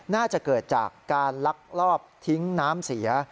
น่าจะเกิดจากการลักลอบทิ้งน้ำเสีย